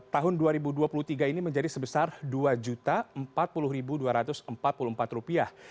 tahun dua ribu dua puluh tiga ini menjadi sebesar dua empat puluh dua ratus empat puluh empat rupiah